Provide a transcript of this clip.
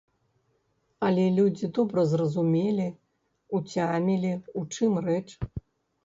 Але людзі добра зразумелі, уцямілі, у чым рэч.